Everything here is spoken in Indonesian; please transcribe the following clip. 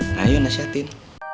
nah yuk nasiatin